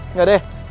nggak ada ya